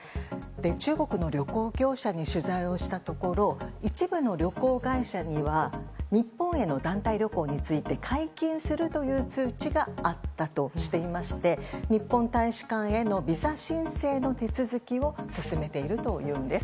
中国の旅行業者に取材をしたところ一部の旅行会社では日本への団体旅行について解禁するという通知があったとしていまして日本大使館へのビザ申請の手続きを進めているというんです。